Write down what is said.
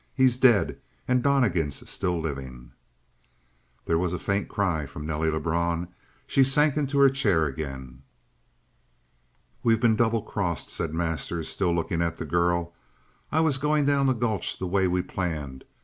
"He's dead, and Donnegan's still living!" There was a faint cry from Nelly Lebrun. She sank into her chair again. "We've been double crossed," said Masters, still looking at the girl. "I was going down the gulch the way we planned.